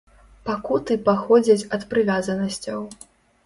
Пакуты паходзяць ад прывязанасцяў.